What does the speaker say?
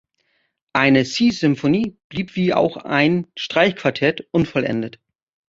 Eine "Sea Symphony" blieb, wie auch ein "Streichquartett", unvollendet.